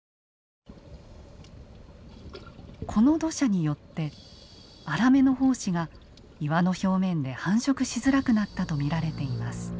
この土砂によってアラメの胞子が岩の表面で繁殖しづらくなったと見られています。